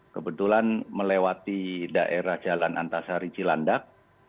kebetulan melewati daerah jalan antasari cilandak